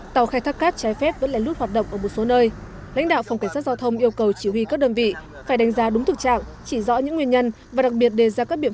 tàu khai thác cát trái phép vẫn lại lút hoạt động ở một số nơi